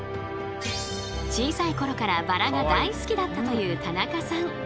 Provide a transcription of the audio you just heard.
小さい頃からバラが大好きだったという田中さん。